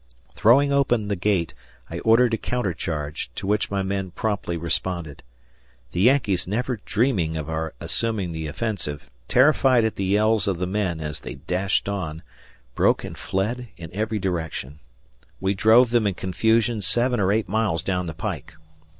Throwing open the gate I ordered a counter charge, to which my men promptly responded. The Yankees never dreaming of our assuming the offensive, terrified at the yells of the men as they dashed on, broke and fled in every direction. We drove them in confusion seven or eight miles down the pike.